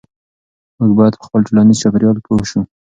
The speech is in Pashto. موږ باید په خپل ټولنیز چاپیریال پوه شو.